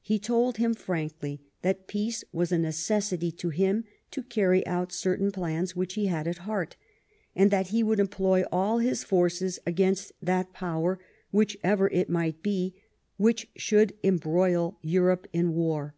He told him frankly that peace was a necessity to him to carry out certain plans which he had at heart, and that he would employ all his forces against that power, whichever it might be, which should embroil Europe in war.